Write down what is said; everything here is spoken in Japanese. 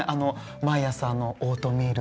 毎朝オートミール。